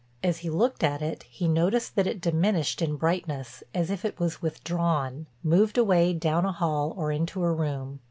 As he looked at it he noticed that it diminished in brightness as if it was withdrawn, moved away down a hall or into a room.